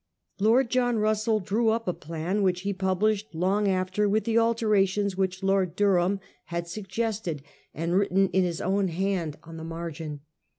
Lord John Russell drew up a plan, which he published long after w r ith the alterations which Lord Durham 1833. 'MAGNIFICENT INDISCRETION.' 65 had suggested and written in his own hand on the margin.